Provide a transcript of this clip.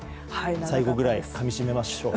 最後ぐらいかみしめましょう。